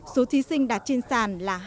số thí sinh đạt trên sàn là hai trăm ba mươi tám